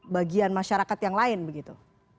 bagian masyarakat yang lain begitu